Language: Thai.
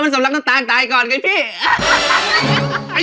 ฉันจะตัดพ่อตัดลูกกับแกเลย